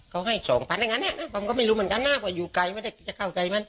เขาให้สองพันอย่างนั้นผมก็ไม่รู้เหมือนกันนะว่าอยู่ไกลไม่ได้จะเข้าไกลมัน